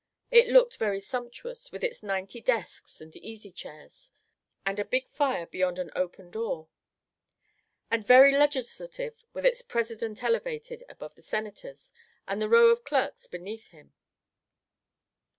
It looked very sumptuous with its ninety desks and easy chairs, and a big fire beyond an open door; and very legislative with its president elevated above the Senators and the row of clerks beneath him.